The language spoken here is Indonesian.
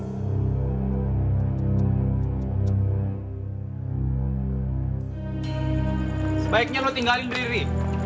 sebaiknya leru tinggalin ri ri